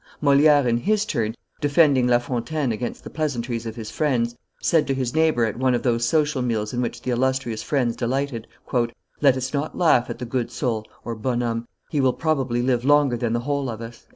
Moliere, in his turn, defending La Fontaine against the pleasantries of his friends, said to his neighbor at one of those social meals in which the illustrious friends delighted, " Let us not laugh at the good soul (bonhomme) he will probably live longer than the whole of us."